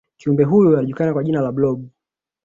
kiumbe huyo alijulikana kwa jina la blob